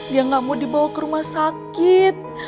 dia nggak mau dibawa ke rumah sakit